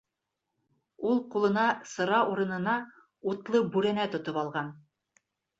Ул ҡулына сыра урынына утлы бүрәнә тотоп алған.